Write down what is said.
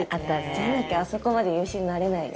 じゃなきゃあそこまで優秀になれないよ。